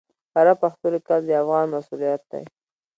کره پښتو ليکل د افغان مسؤليت دی